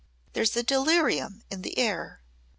"There's a delirium in the air.